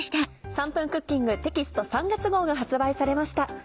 『３分クッキング』テキスト３月号が発売されました。